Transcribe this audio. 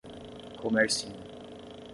Comercinho